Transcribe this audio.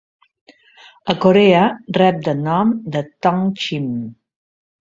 A Corea rep de nom de ttongchim.